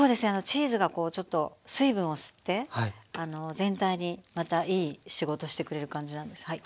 チーズがちょっと水分を吸って全体にまたいい仕事してくれる感じなんです。